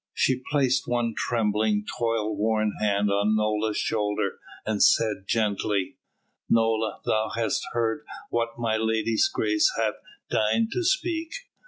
She placed one trembling, toil worn hand on Nola's shoulder and said gently: "Nola, thou hast heard what my lady's grace hath deigned to speak.